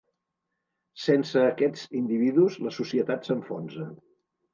Sense aquests individus, la societat s’enfonsa.